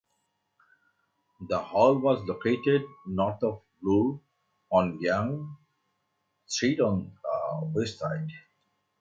The hall was located north of Bloor on Yonge Street on the west side.